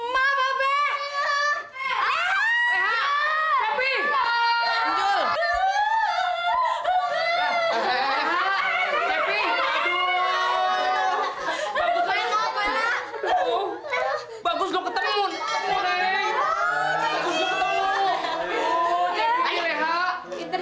mulai kuatlah indah